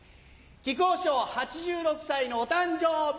木久扇師匠８６歳のお誕生日！